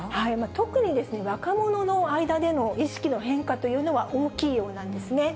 特に若者の間での意識の変化というのは大きいようなんですね。